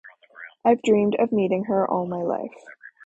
I’ve dreamed of meeting her all my life.